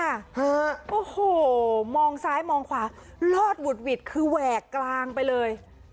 ฮะโอ้โหมองซ้ายมองขวารอดหวุดหวิดคือแหวกกลางไปเลย